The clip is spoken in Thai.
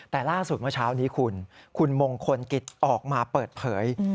แต่ล่าสุดเมื่อเช้านี้คุณคุณมงคลกิจออกมาเปิดเผย